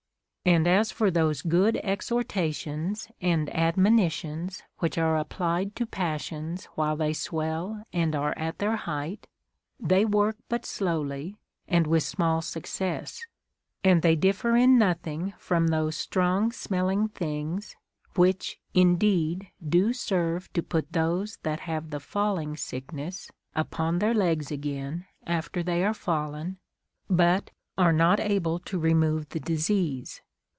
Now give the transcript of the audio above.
And as for those good exhortations and admonitions Avhicli are applied to passions while they swell and are at their height, they work but slowly and with small success ; and they differ in nothing from those strong smelling things, which indeed do serve to put those that have the falling sickness upon their legs again after they are fallen, but are not able to remove the disease.